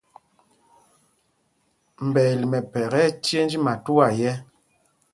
Mbɛel mɛmpek ɛ́ ɛ́ cěnj matuá yɛ̄.